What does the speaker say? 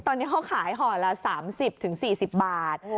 ตอนนี้เขาขายห่อละ๓๐๔๐บาท